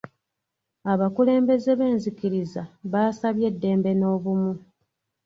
Abakulembeze b'enzikiriza baasabye eddembe n'obumu.